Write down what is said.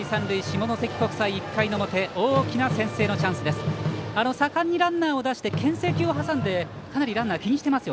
下関国際、１回の表大きな先制のチャンスです。